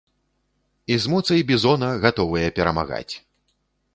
І з моцай бізона гатовыя перамагаць!